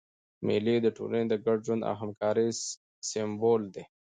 مېلې د ټولني د ګډ ژوند او همکارۍ سېمبول دي.